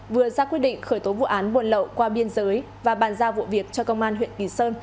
vừa ra quyết định khởi tố vụ án buồn lậu qua biên giới và bàn giao vụ việc cho công an huyện kỳ sơn